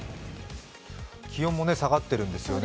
気温も下がっているんですよね。